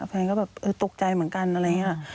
แฟนก็แบบเออตกใจเหมือนกันอะไรอย่างนี้